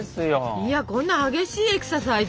いやこんな激しいエクササイズ？